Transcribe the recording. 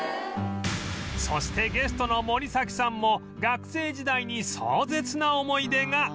そしてゲストの森崎さんも学生時代に壮絶な思い出が